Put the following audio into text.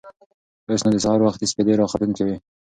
اوس نو د سهار وختي سپېدې راختونکې وې.